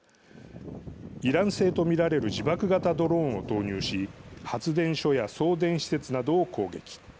イラン製と見られる自爆型ドローンを投入し発電所や送電施設などを攻撃。